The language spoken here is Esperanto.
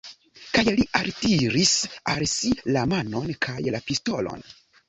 Kaj li altiris al si la manon kaj la pistolon.